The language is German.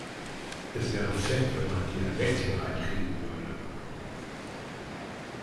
Es wäre fett, wenn man Dialekt hier reinkriegen würde.